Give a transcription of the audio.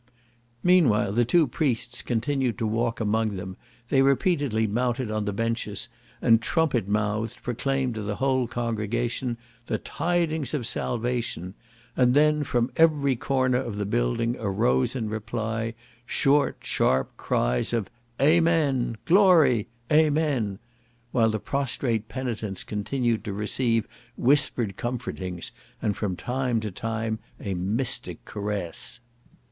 Meanwhile the two priests continued to walk among them; they repeatedly mounted on the benches, and trumpet mouthed proclaimed to the whole congregation, "the tidings of salvation," and then from every corner of the building arose in reply, short sharp cries of "Amen!" "Glory!" "Amen!" while the prostrate penitents continued to receive whispered comfortings, and from time to time a mystic caress.